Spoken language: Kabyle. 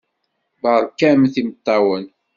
Beṛkamt imeṭṭawen.